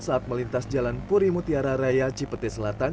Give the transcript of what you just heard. saat melintas jalan purimutiara raya cipete selatan